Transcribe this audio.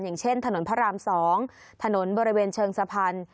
อย่างเช่นถนนพระราม๒ถนนบริเวณเชิงสะพาน